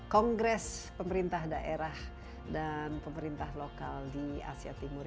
kongres pemerintah daerah dan pemerintah lokal di asia timur